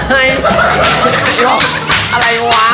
อะไรวะ